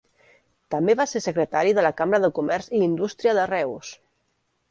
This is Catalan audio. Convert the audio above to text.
També va ser secretari de la Cambra de Comerç i Indústria de Reus.